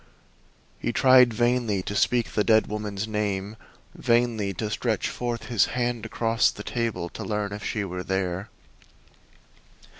He tried vainly to speak the dead woman's name, vainly to stretch forth his hand across the table to learn if she were there.